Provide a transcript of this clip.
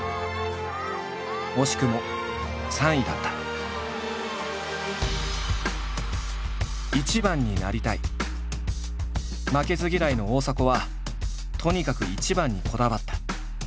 惜しくも負けず嫌いの大迫はとにかく一番にこだわった。